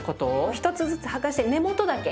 １つずつ剥がして根元だけ。